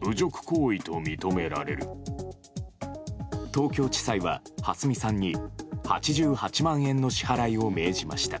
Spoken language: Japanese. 東京地裁は、はすみさんに８８万円の支払いを命じました。